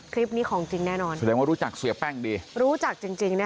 คลิปนี้ของจริงแน่นอนเหนื่อว่ารู้จักเสียแป้งดี